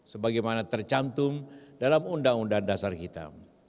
sebagaimana tercantum dalam undang undang dasar kita